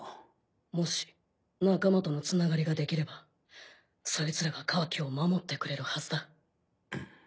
もし仲間とのつながりができればソイツらがカワキを守ってくれるはずだ。